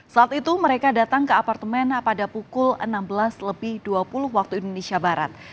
saat itu mereka datang ke apartemen pada pukul enam belas lebih dua puluh waktu indonesia barat